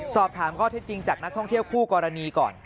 สอบถามข้อเท็จจริงจากนักท่องเที่ยวคู่กรณีก่อน